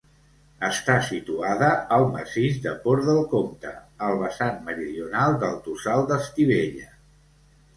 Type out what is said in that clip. Està situada al massís de Port del Comte, al vessant meridional del Tossal d'Estivella.